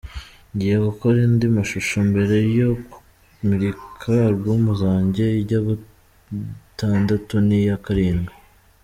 Ngiye gukora andi mashusho mbere yo kumurika album zanjye , iya gatandatu n’iya karindwi”.